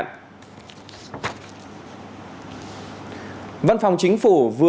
văn phòng chính phủ vừa có thông báo về tình hình dịch bệnh covid một mươi chín